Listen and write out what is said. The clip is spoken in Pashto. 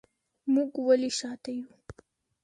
موږ ولې شاته یو؟